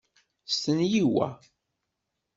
Stenyi wa.